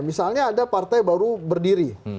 misalnya ada partai baru berdiri